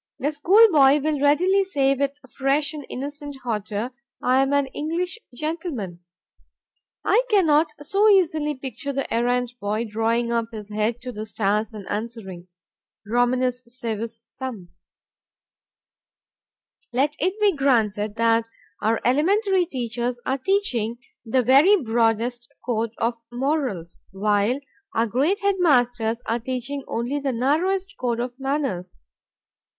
The schoolboy will really say with fresh and innocent hauteur, "I am an English gentleman." I cannot so easily picture the errand boy drawing up his head to the stars and answering, "Romanus civis sum." Let it be granted that our elementary teachers are teaching the very broadest code of morals, while our great headmasters are teaching only the narrowest code of manners.